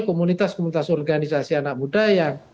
komunitas komunitas organisasi anak muda yang